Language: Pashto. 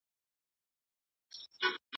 ټولنیز پوهه د خلکو له تجربو نه بېلېږي.